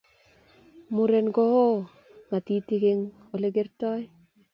muren ko oo ngatiging eng olegertoi